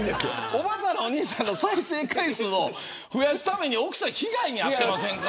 おばたのお兄さんの再生回数を増やすために奥さん、被害に遭ってませんか。